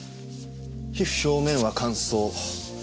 皮膚表面は乾燥。